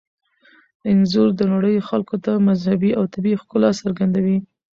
انځور د نړۍ خلکو ته مذهبي او طبیعي ښکلا څرګندوي.